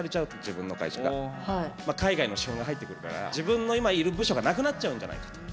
海外の資本が入ってくるから自分の今いる部署がなくなっちゃうんじゃないかと。